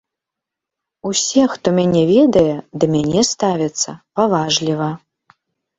Усе, хто мяне ведае, да мяне ставяцца паважліва.